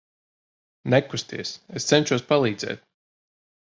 Nekusties, es cenšos palīdzēt.